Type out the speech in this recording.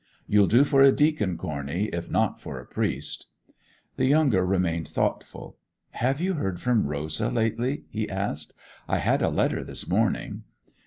You'll do for a deacon, Corney, if not for a priest.' The younger remained thoughtful. 'Have you heard from Rosa lately?' he asked; 'I had a letter this morning.